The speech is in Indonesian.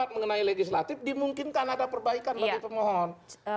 empat ratus tujuh puluh empat mengenai legislatif dimungkinkan ada perbaikan bagi pemohon